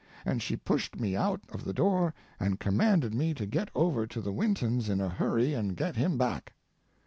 And she pushed me out of the door, and commanded me to get over to the Wintons in a hurry and get him back.